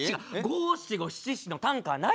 五・七・五・七・七の短歌はないのか？